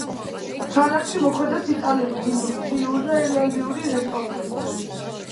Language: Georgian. ქალაქში მოქმედებს იტალიური, ინდური, ჩინური და ირლანდიური რესტორნები.